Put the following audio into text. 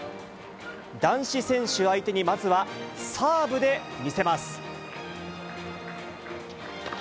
男子選手相手に、まずはサーブで見せます。